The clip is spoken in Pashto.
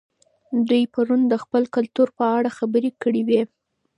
دوی پرون د خپل کلتور په اړه خبرې کړې وې.